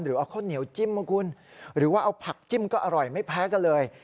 หรือเอาข้าวเหนียวจิ้มนะคุณหรือว่าเอาผักจิ้มก็อร่อยไม่แพ้กันเลย